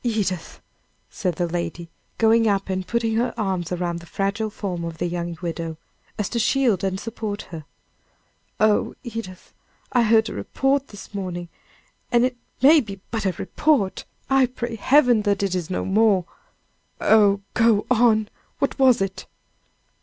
Edith!" said the lady, going up and putting her arms around the fragile form of the young widow, as to shield and support her. "Oh, Edith! I heard a report this morning and it may be but a report I pray Heaven, that it is no more " "Oh, go on! what was it?"